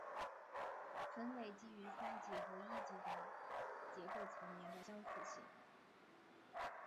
分类基于三级的和一级的结构层面的相似性。